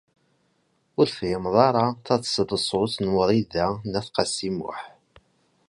Ur tefhimed ara taseḍsut n Wrida n At Qasi Muḥ.